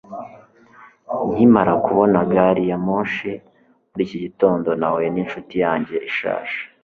nkimara kubona gari ya moshi muri iki gitondo, nahuye ninshuti yanjye ishaje